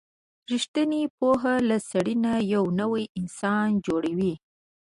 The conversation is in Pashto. رښتینې پوهه له سړي نه یو نوی انسان جوړوي.